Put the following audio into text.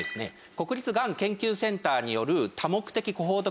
国立がん研究センターによる多目的コホート